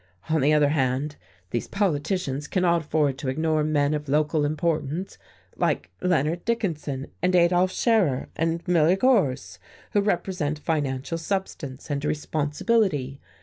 On the other hand, these politicians cannot afford to ignore men of local importance like Leonard Dickinson and Adolf Scherer and Miller Gorse who represent financial substance and' responsibility.